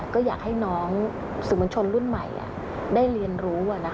ก็อยากให้น้องสื่อมวลชนรุ่นใหม่ได้เรียนรู้